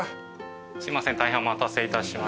すいません大変お待たせいたしました。